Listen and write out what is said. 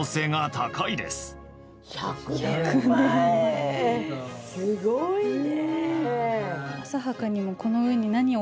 すごいね！